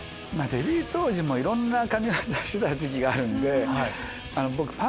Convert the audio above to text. デビュー当時もいろんな髪形してた時期があるんで。